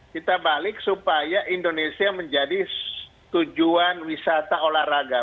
kita balik supaya indonesia menjadi tujuan wisata olahraga